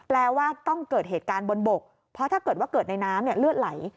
แปลว่าต้องเกิดเหตุการณ์บนบกเพราะถ้าเกิดว่าเกิดในน้ำเลือดไหล